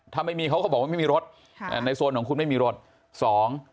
ถ้าไม่มีเขาก็บอกว่าไม่มีรถค่ะอ่าในโซนของคุณไม่มีรถสอง